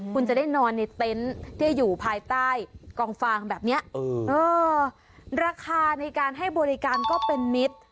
คุณจะได้นอนในเต็นต์ที่อยู่ภายใต้กองฟางแบบนี้ราคาในการให้บริการก็เป็นมิตร